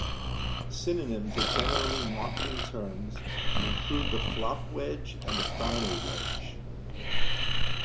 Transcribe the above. Synonyms are generally marketing terms and include the "flop wedge" and "final wedge".